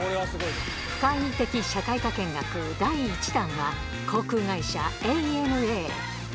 深イイ的社会科見学第１弾は、航空会社、ＡＮＡ。